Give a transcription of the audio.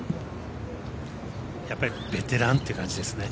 やっぱりベテランって感じですね